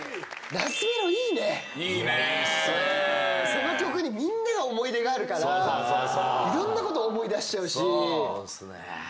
その曲にみんなが思い出があるからいろんなこと思い出しちゃうし。